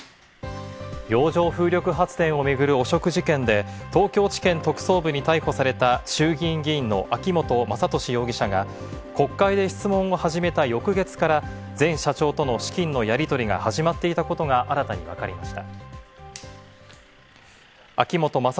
洋上風力発電を巡る汚職事件で東京地検特捜部に逮捕された衆議院議員の秋本真利容疑者が国会で質問を始めた翌月から前社長との資金のやり取りが始まっていたことが新たにわかりました。